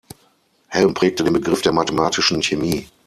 Helm prägte den Begriff der „mathematischen Chemie“.